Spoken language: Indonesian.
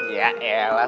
ya ya lah